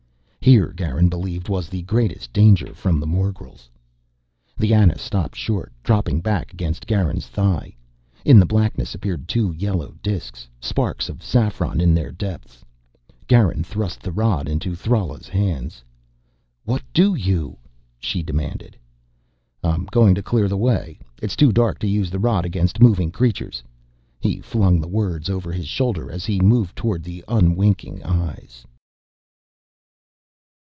Here, Garin believed, was the greatest danger from the morgels. The Ana stopped short, dropping back against Garin's thigh. In the blackness appeared two yellow disks, sparks of saffron in their depths. Garin thrust the rod into Thrala's hands. "What do you?" she demanded. "I'm going to clear the way. It's too dark to use the rod against moving creatures...." He flung the words over his shoulder as he moved toward the unwinking eyes.